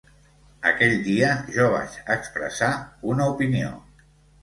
Aquell dia jo vaig expressar una opinió.